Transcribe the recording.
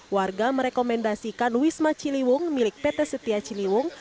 warga merekomendasikan wisma ciliwung milik pt setia ciliwung